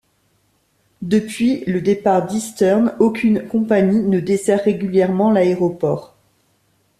Depuis le départ d'Eastern, aucune compagnie ne dessert régulièrement l'aéroport.